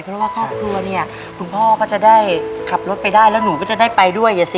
เพราะว่าครอบครัวเนี่ยคุณพ่อก็จะได้ขับรถไปได้แล้วหนูก็จะได้ไปด้วยสิ